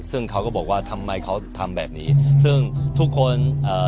ซึ่งเขาก็บอกว่าทำไมเขาทำแบบนี้ซึ่งทุกคนเอ่อ